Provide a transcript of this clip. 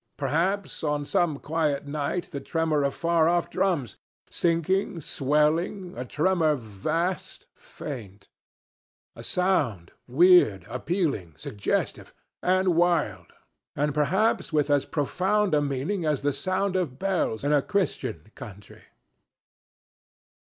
Perhaps on some quiet night the tremor of far off drums, sinking, swelling, a tremor vast, faint; a sound weird, appealing, suggestive, and wild and perhaps with as profound a meaning as the sound of bells in a Christian country.